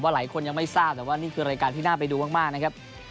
หลายคนยังไม่ทราบแต่ว่านี่คือรายการที่น่าไปดูมากนะครับ